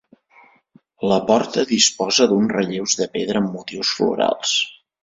La porta disposa d'uns relleus de pedra amb motius florals.